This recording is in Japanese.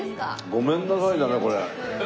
ごめんなさいだねこれ。